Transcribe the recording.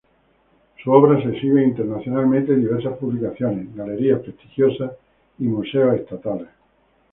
Sus obras se exhiben internacionalmente en diversas publicaciones, galerías prestigiosas y museos estatales.